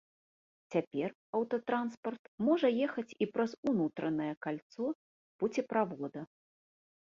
Цяпер аўтатранспарт можа ехаць і праз унутранае кальцо пуцеправода.